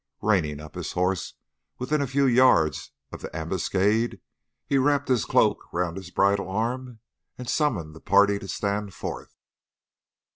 Reining up his horse within a few yards of the ambuscade, he wrapped his cloak round his bridle arm and summoned the party to stand forth.